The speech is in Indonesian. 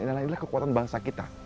ini adalah kekuatan bangsa kita